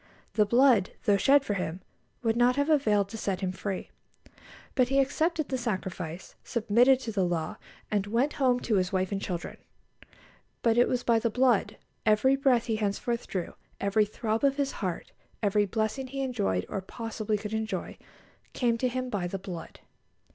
The blood, though shed for him, would not have availed to set him free. But he accepted the sacrifice, submitted to the law, and went home to his wife and children; but it was by the blood; every breath he henceforth drew, every throb of his heart, every blessing he enjoyed, or possibly could enjoy, came to him by the blood.